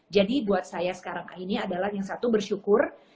jadi buat saya sekarang ini adalah yang satu bersyukur